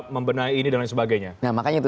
membenahi ini dan lain sebagainya makanya itu